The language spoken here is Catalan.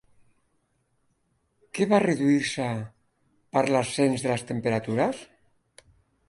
Què va reduir-se per l'ascens de les temperatures?